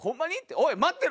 おい待ってろ！」。